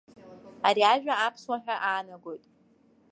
Ари ажәа аԥсуа ҳәа аанагоит.